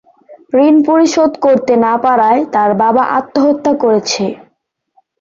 ঋণ পরিশোধ করতে না পারায় তার বাবা আত্মহত্যা করেছে।